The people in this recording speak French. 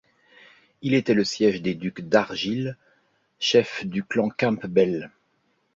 Il était le siège des ducs d'Argyll, chefs du clan Campbell.